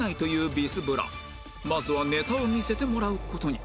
まずはネタを見せてもらう事に